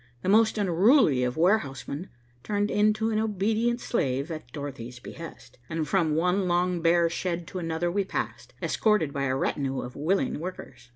The most unruly of warehouse men turned into an obedient slave at Dorothy's behest, and from one long bare shed to another we passed, escorted by a retinue of willing workers.